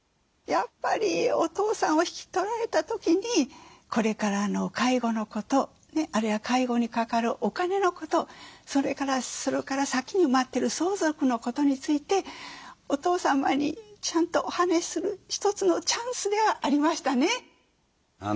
やっぱりお父さんを引き取られた時にこれからの介護のことあるいは介護にかかるお金のことそれから先に待ってる相続のことについてお父様にちゃんとお話しする一つのチャンスではありましたね。